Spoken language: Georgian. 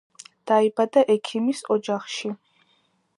დაიბადა ექიმის ოჯახში.